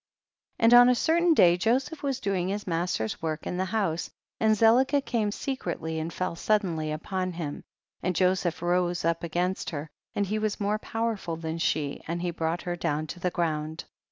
40. And on a certain day Joseph was doing his master's work in the house, and Zelicah came secretly and fell suddenly upon him, and Jo seph rose up against her, and he was more powerful than she, and he brought her down to the ground.